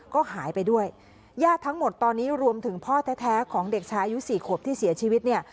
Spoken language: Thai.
ก็หายไปด้วยญาติทั้งหมดตอนนี้รวมถึงพ่อแท้ของเด็กชายอายุสี่ขวบที่เสียชีวิตเนี่ย